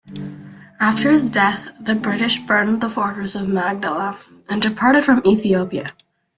After his death, the British burned the fortress of Magdala, and departed from Ethiopia.